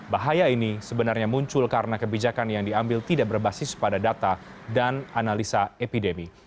bahaya ini sebenarnya muncul karena kebijakan yang diambil tidak berbasis pada data dan analisa epidemi